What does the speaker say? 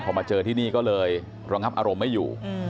พอมาเจอที่นี่ก็เลยระงับอารมณ์ไม่อยู่